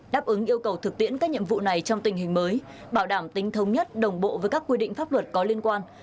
đáp ứng yêu cầu thực tiễn các nhiệm vụ này trong tình hình mới bảo đảm tính thống nhất đồng bộ với các quy định pháp luật có liên quan